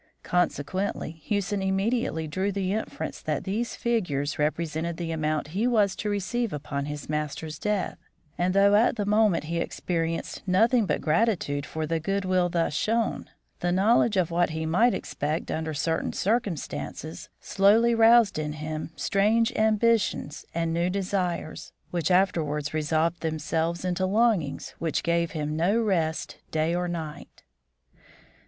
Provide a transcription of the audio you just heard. Consequently, Hewson immediately drew the inference that these figures represented the amount he was to receive upon his master's death, and though at the moment he experienced nothing but gratitude for the good will thus shown, the knowledge of what he might expect under certain circumstances slowly roused in him strange ambitions and new desires, which afterwards resolved themselves into longings which gave him no rest day or night.